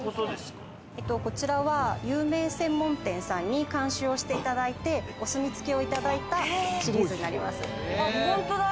こちらは有名専門店さんに監修していただいて、お墨付きをいただいたシリーズになります。